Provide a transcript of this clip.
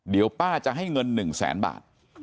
เดี๋ยวป้าจะให้เงิน๑แสนบาท